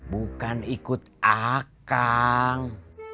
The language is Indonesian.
bukan ikut akang